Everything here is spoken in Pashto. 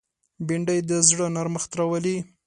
بېنډۍ د زړه نرمښت راولي